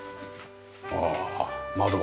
ああ窓が。